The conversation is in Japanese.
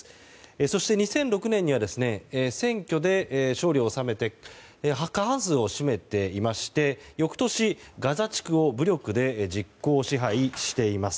そして２００６年には選挙で勝利を収めて過半数を占めていまして翌年、ガザ地区を武力で実効支配しています。